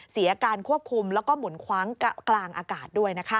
เสียการควบคุมแล้วก็หมุนคว้างกลางอากาศด้วยนะคะ